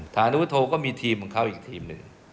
ฐานุโทก็มีทีมของเขาอีกทีมหนึ่ง